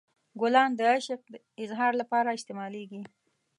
ګلان د عشق اظهار لپاره استعمالیږي.